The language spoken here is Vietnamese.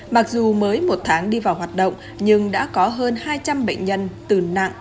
mặc dù mới một tháng đi vào hoạt động nhưng đã có hơn hai trăm linh bệnh nhân từ nặng